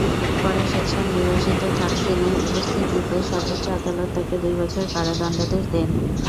পরে স্বেচ্ছানির্বাসিত থাকসিনের অনুপস্থিতিতে সর্বোচ্চ আদালত তাঁকে দুই বছরের কারাদণ্ডাদেশ দেন।